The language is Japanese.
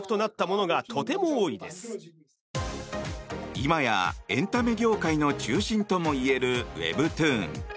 今やエンタメ業界の中心ともいえるウェブトゥーン。